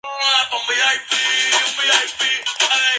Su pasatiempo favorito es leer.